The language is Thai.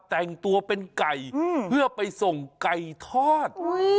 แต่งตัวเป็นไก่เพื่อไปส่งไก่ทอด